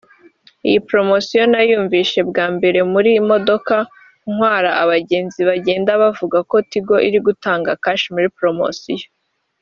“Iyi promosiyo nayunvishe bwa mbere muri modoka ntwara abagenzi bagenda babivuga ko Tigo iri gutanga cash muri promosiyo